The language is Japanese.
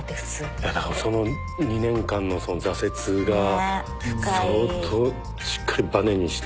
いやだから２年間の挫折が相当しっかりばねにして。